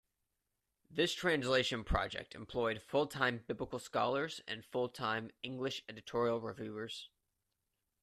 This translation project employed full-time biblical scholars and full-time English editorial reviewers.